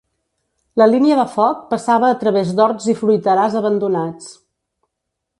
La línia de foc passava a través d'horts i fruiterars abandonats